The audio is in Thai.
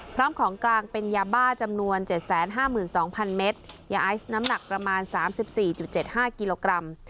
พร้อมของกลางเป็นยาบ้าจำนวนเจ็ดแสนห้าหมื่นสองพันเมตรยาไอซ์น้ำหนักประมาณสามสิบสี่จุดเจ็ดห้ากิโลกรัม